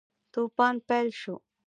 توپان پیل شو.